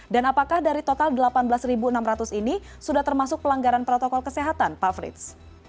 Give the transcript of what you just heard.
dan apakah dari total delapan belas enam ratus ini sudah termasuk pelanggaran protokol kesehatan pak frits